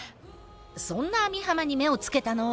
そんな網浜に目をつけたのは。